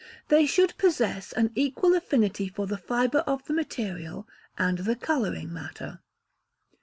They should possess an equal affinity for the fibre of the material and the colouring matter.